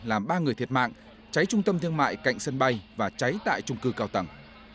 làm ba người thiệt mạng cháy trung tâm thương mại cạnh sân bay và cháy tại trung cư cao tầng